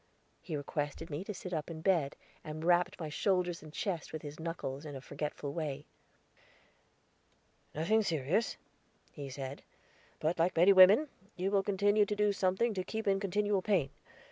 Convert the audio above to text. He requested me to sit up in bed, and rapped my shoulders and chest with his knuckles, in a forgetful way. "Nothing serious," he said; "but, like many women, you will continue to do something to keep in continual pain.